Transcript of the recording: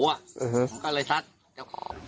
อื้อฮึ